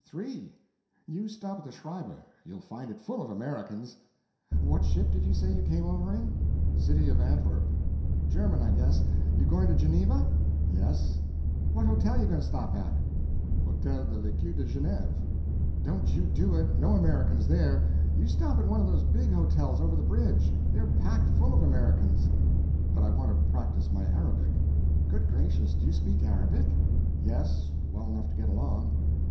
"Three. You stop at the Schreiber you'll find it full of Americans. What ship did you say you came over in?" "CITY OF ANTWERP." "German, I guess. You going to Geneva?" "Yes." "What hotel you going to stop at?" "Hôtel de l'Écu de Génève." "Don't you do it! No Americans there! You stop at one of those big hotels over the bridge they're packed full of Americans." "But I want to practice my Arabic." "Good gracious, do you speak Arabic?" "Yes well enough to get along."